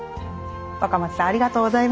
若松さんありがとうございました。